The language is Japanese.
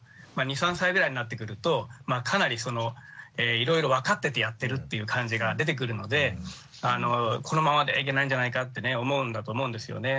２３歳ぐらいになってくるとかなりそのいろいろ分かっててやってるっていう感じが出てくるのでこのままではいけないんじゃないかってね思うんだと思うんですよね。